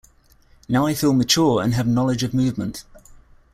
Now I feel mature and have knowledge of movement.